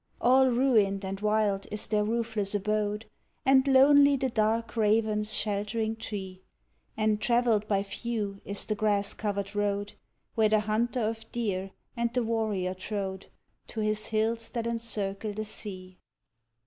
All ruin'd and wild is their roofless abode, And lonely the dark raven's sheltering tree: And travell'd by few is the grass cover'd road, Where the hunter of deer and the warrior trode To his hills that encircle the sea.